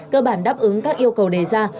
cơ bản đáp ứng các yêu cầu đề ra